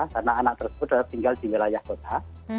karena anak tersebut sudah tinggal di wilayah kota